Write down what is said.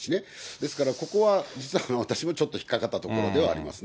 ですから、ここは実は私もちょっと引っ掛かったところではありますね。